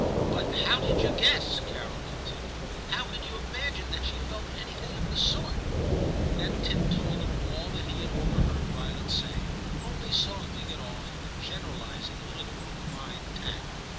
' But how did you guess,' Carol continued, *how could you imagine that she felt any thing of the sort?' Then Tim told him all that he had over heard Violet say, only softening it off, and generalising a little with fine tact.